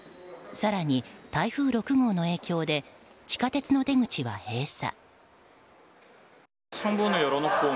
更に台風６号の影響で地下鉄の出口は閉鎖。